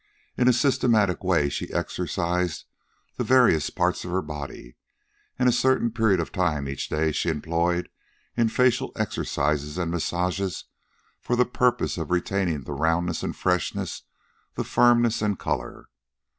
In a systematic way she exercised the various parts of her body, and a certain period of time each day she employed in facial exercises and massage for the purpose of retaining the roundness and freshness, and firmness and color.